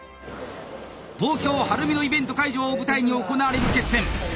東京晴海のイベント会場を舞台に行われる決戦。